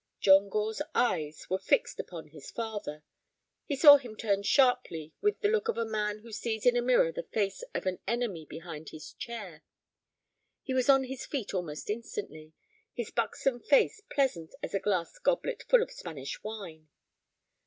John Gore's eyes were fixed upon his father. He saw him turn sharply with the look of a man who sees in a mirror the face of an enemy behind his chair. He was on his feet almost instantly, his buxom face pleasant as a glass goblet full of Spanish wine.